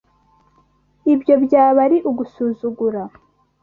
Ibyo byaba ari ugusuzugura.